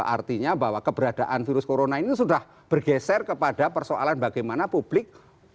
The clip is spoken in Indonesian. artinya bahwa keberadaan virus corona ini sudah bergeser kepada persoalan bagaimana publik